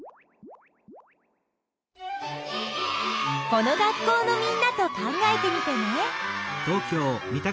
この学校のみんなと考えてみてね。